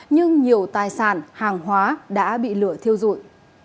nhưng nhiều tài sản hàng hóa đã bị lửa thiêu rụi